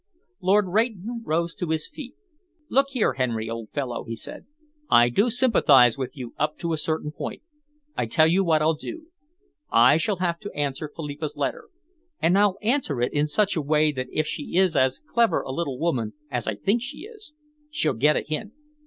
Lord Rayton rose to his feet. "Look here, Henry, old fellow," he said, "I do sympathise with you up to a certain point. I tell you what I'll do. I shall have to answer Philippa's letter, and I'll answer it in such a way that if she is as clever a little woman as I think she is, she'll get a hint.